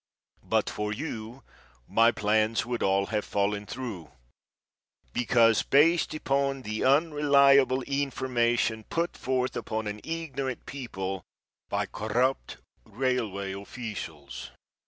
But for you my plans would all have fallen through, because based upon the unreliable information put forth upon an ignorant people by corrupt railway officials.